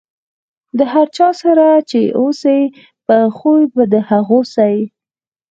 د هر چا سره چې اوسئ، په خوي به د هغو سئ.